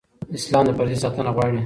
اسلام د پردې ساتنه غواړي.